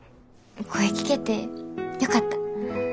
声聞けてよかった。